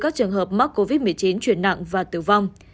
các trường hợp mắc covid một mươi chín chuyển nặng và tử vong